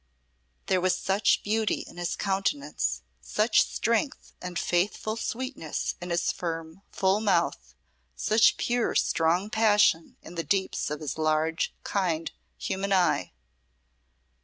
There was such beauty in his countenance, such strength and faithful sweetness in his firm, full mouth, such pure, strong passion in the deeps of his large, kind, human eye.